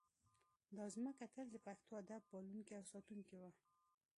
دا ځمکه تل د پښتو ادب پالونکې او ساتونکې وه